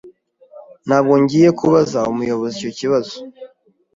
Ntabwo ngiye kubaza umuyobozi icyo kibazo.